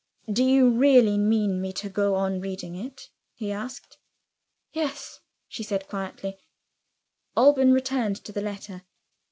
"Do you really mean me to go on reading it?" he asked. "Yes," she said quietly. Alban returned to the letter.